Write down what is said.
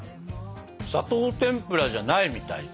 砂糖てんぷらじゃないみたい。